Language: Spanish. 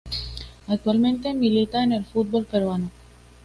Actualmente milita en el fútbol peruano.